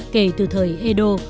kể từ thời edo